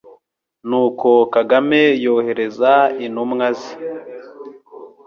n'uko Kagame yohereza intumwa ze